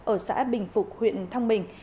ở xã bình phục huyện thong bình